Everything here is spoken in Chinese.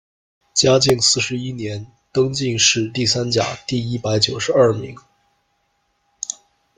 嘉靖四十一年，登进士第三甲第一百九十二名。